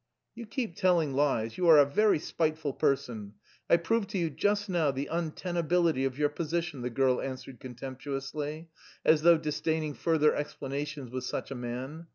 '" "You keep telling lies, you are a very spiteful person. I proved to you just now the untenability of your position," the girl answered contemptuously, as though disdaining further explanations with such a man.